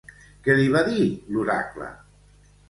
Què li va dir l'oracle?